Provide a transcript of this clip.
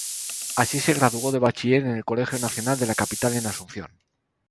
Así se graduó de bachiller en el Colegio Nacional de la Capital en Asunción.